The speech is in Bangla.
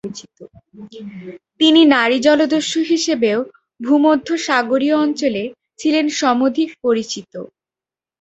তিনি নারী জলদস্যু হিসেবেও ভূমধ্যসাগরীয় অঞ্চলে ছিলেন সমধিক পরিচিত।